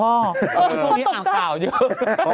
ช่วงนี้อ่านข่าวเยอะ